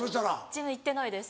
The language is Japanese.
ジム行ってないです。